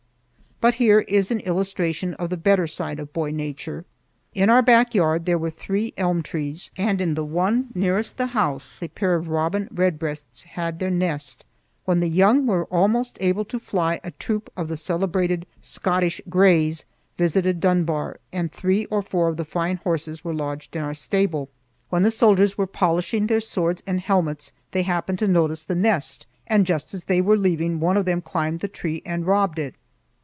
But here is an illustration of the better side of boy nature. In our back yard there were three elm trees and in the one nearest the house a pair of robin redbreasts had their nest. When the young were almost able to fly, a troop of the celebrated "Scottish Grays," visited Dunbar, and three or four of the fine horses were lodged in our stable. When the soldiers were polishing their swords and helmets, they happened to notice the nest, and just as they were leaving, one of them climbed the tree and robbed it.